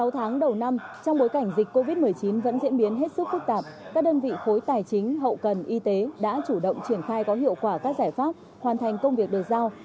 sáu tháng đầu năm trong bối cảnh dịch covid một mươi chín vẫn diễn biến hết sức phức tạp các đơn vị khối tài chính hậu cần y tế đã chủ động triển khai có hiệu quả các giải pháp hoàn thành công việc được giao